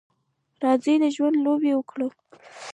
راځئ د ژوند لوبه وکړو.